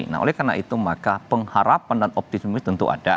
nah oleh karena itu maka pengharapan dan optimis tentu ada